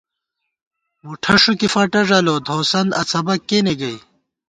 مُٹھہ ݭُکی فٹہ ݫَلوت ، ہوسند اڅھبَک کېنےگئ